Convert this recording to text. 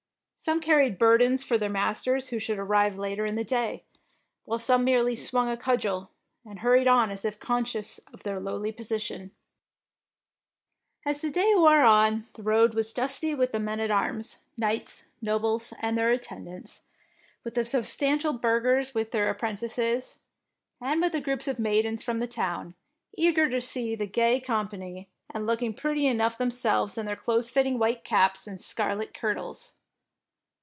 Some carried burdens for their masters who should arrive later in the day, while some merely swung a cudgel, and hurried on as if conscious of their lowly position. 67 DEEDS OF DAEING As the day wore on, the road was dusty with the men at arms, knights, nobles, and their attendants, with sub stantial burghers with their appren tices, and with groups of maidens from the town, eager to see the gay com pany, and looking pretty enough them selves in their close fitting white caps and scarlet kirtles.